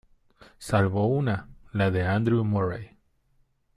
Salvo una: la de Andrew Moray.